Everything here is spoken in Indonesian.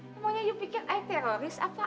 pokoknya kamu pikir saya teroris apa